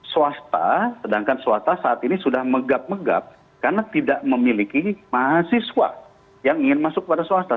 swasta sedangkan swasta saat ini sudah megap megap karena tidak memiliki mahasiswa yang ingin masuk pada swasta